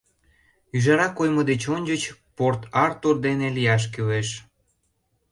Ӱжара коймо деч ончыч Порт-Артур дене лияш кӱлеш.